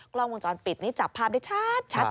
กล้องวงจรปิดนี่จับภาพได้ชัดเลยเกิน